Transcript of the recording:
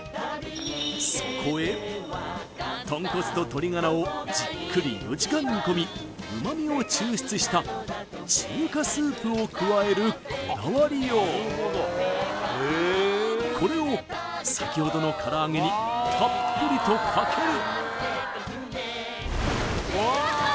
そこへ豚骨と鶏ガラをじっくり４時間煮込みうまみを抽出した中華スープを加えるこだわりようこれを先ほどの唐揚げにたっぷりとかける！